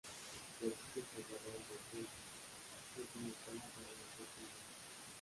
De aquí se trasladaron a Trieste, última escala para las dos princesas.